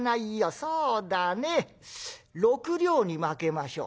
そうだね６両にまけましょう」。